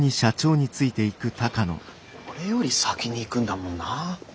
ちょ俺より先に行くんだもんなあ。